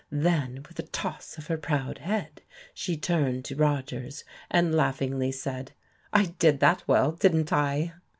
Then, with a toss of her proud head, she turned to Rogers and laughingly said, "I did that well, didn't I?"